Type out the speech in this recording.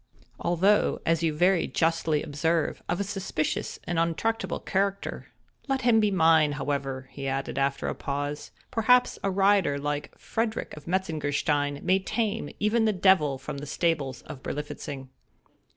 although, as you very justly observe, of a suspicious and untractable character; let him be mine, however," he added, after a pause, "perhaps a rider like Frederick of Metzengerstein, may tame even the devil from the stables of Berlifitzing."